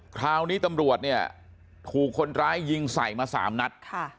คราวนี้ตำรวจเนี่ยถูกคนร้ายยิงใส่มา๓นัด